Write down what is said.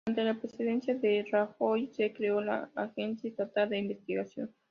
Durante la presidencia de Rajoy se creó la Agencia Estatal de Investigación.